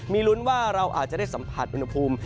มีลุ้นว่าเราอาจจะได้สัมผัสอุณหภูมิ